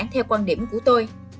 theo quan điểm của tôi